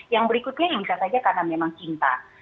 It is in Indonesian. yang berikutnya bisa saja karena memang cinta